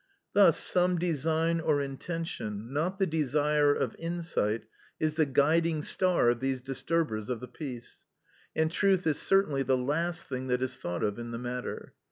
Thus some design or intention, not the desire of insight, is the guiding star of these disturbers of the peace, and truth is certainly the last thing that is thought of in the matter.